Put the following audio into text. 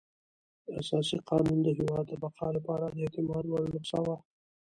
اساسي قانون د هېواد د بقا لپاره د اعتماد وړ نسخه وه.